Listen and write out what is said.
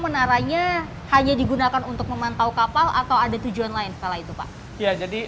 menaranya hanya digunakan untuk memantau kapal atau ada tujuan lain setelah itu pak ya jadi